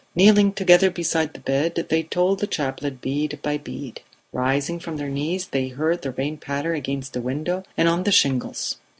Kneeling together beside the bed, they told the chaplet bead by bead. Rising from their knees they heard the rain patter against the window and on the shingles.